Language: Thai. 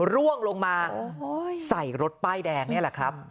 ร่วงลงมาใส่รถป้ายแดงนี่แหละครับ